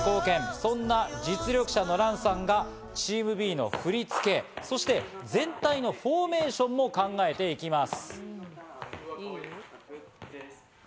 そんな実力者のランさんがチームＢの振り付け、そして全体のフォーメーションも考えていきます。